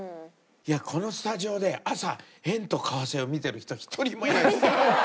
いやこのスタジオで朝円と為替を見てる人１人もいないですよ。